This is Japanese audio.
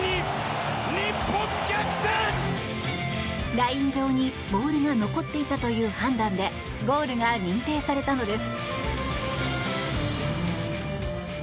ライン上にボールが残っていたという判断でゴールが認定されたのです。